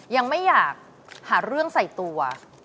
ยังไม่อยากหาเรื่องใส่ตัว